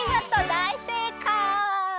だいせいかい！